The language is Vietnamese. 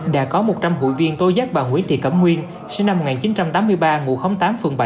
đã có một trăm linh hội viên tố giác bà nguyễn thị cẩm nguyên sinh năm một nghìn chín trăm tám mươi ba ngụ tám phường bảy